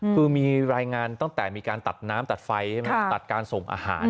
คือมีรายงานตั้งแต่มีการตัดน้ำตัดไฟใช่ไหมตัดการส่งอาหาร